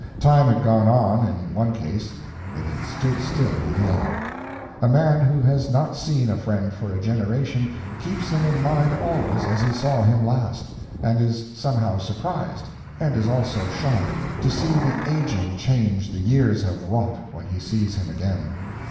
Time had gone on, in the one case; it had stood still in the other. A man who has not seen a friend for a generation, keeps him in mind always as he saw him last, and is somehow surprised, and is also shocked, to see the aging change the years have wrought when he sees him again.